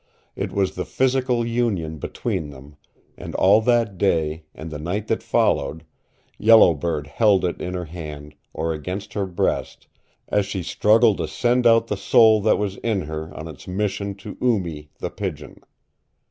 It was the physical union between them, and all that day, and the night that followed, Yellow Bird held it in her hand or against her breast as she struggled to send out the soul that was in her on its mission to Oo Mee the Pigeon.